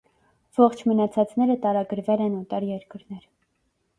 Ողջ մնացածները տարագրվել են օտար երկրներ։